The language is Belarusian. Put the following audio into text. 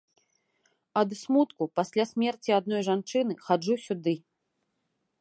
Ад смутку, пасля смерці адной жанчыны, хаджу сюды.